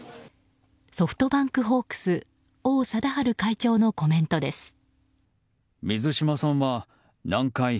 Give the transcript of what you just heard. ソフトバンクホークス王貞治会長のコメントです。